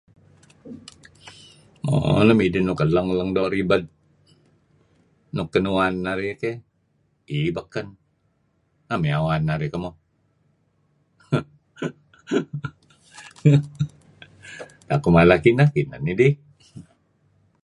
Mo nuk midih nuk lang-lang ribed nuk kinuen narih dih keh iih baken am iyeh aan narih. Uih mala kineh kineh nidih.